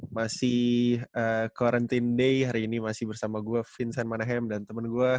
masih quarantine day hari ini masih bersama gue vincent manahem dan temen gue